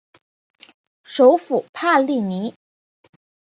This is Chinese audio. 首府帕利尼。